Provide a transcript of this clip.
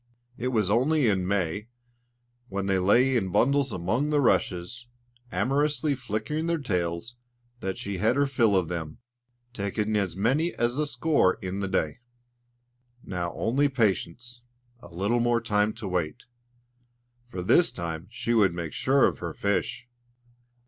It was only in May, when they lay in bundles among the rushes, amorously flicking their tails, that she had her fill of them, taking as many as a score in the day. Now only patience, a little more time to wait; for this time she would make sure of her fish!